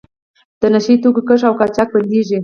د نشه یي توکو کښت او قاچاق بندیږي.